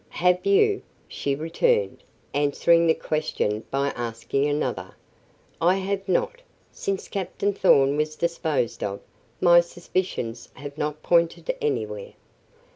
"Have you?" she returned, answering the question by asking another. "I have not. Since Captain Thorn was disposed of, my suspicions have not pointed anywhere."